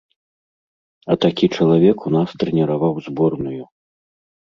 А такі чалавек у нас трэніраваў зборную!